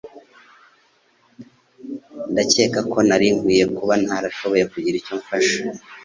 Ndakeka ko nari nkwiye kuba narashoboye kugira icyo mfasha.